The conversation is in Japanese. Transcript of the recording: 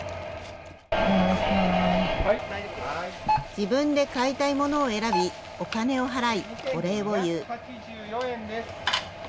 自分で買いたいものを選び、お金を払い、お礼を言う。